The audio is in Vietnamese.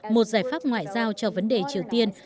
một giải pháp ngoại giao cho vấn đề triều tiên